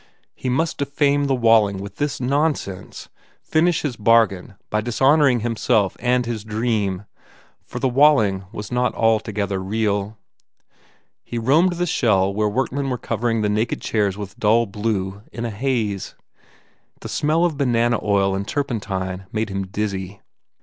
He must defame the Walling with this nonsense, finish his bargain by dishonouring himself and his dream, for the Walling was not altogether real. He roamed the shell where workmen were cover ing the naked chairs with dull blue, in a haze. The smell of banana oil and turpentine made him dizzy.